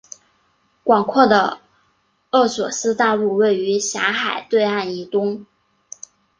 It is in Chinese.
广阔的厄索斯大陆位于狭海对岸以东。